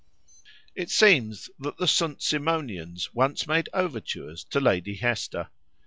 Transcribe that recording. It seems that the St. Simonians once made overtures to Lady Hester.